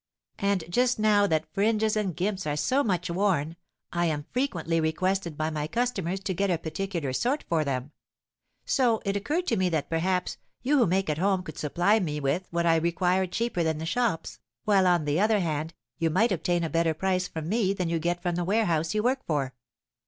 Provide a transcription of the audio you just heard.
And just now that fringes and gimps are so much worn, I am frequently requested by my customers to get a particular sort for them; so it occurred to me that perhaps you who make at home could supply me with what I required cheaper than the shops, while, on the other hand, you might obtain a better price from me than you get from the warehouse you work for."